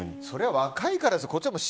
そりゃ若いからですよ。